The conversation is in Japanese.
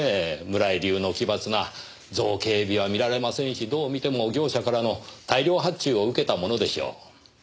村井流の奇抜な造形美は見られませんしどう見ても業者からの大量発注を受けたものでしょう。